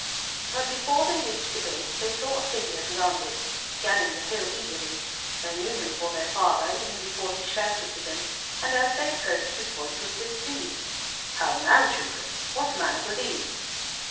But before they reached the gate, they saw a figure beyond it, scanning the hill eagerly. They knew him for their father even before he shouted to them, and, as they approached, his voice was displeased: "How now, children; what manners are these?"